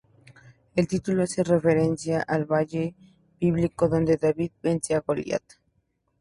El título hace referencia al valle bíblico donde David vence a Goliat.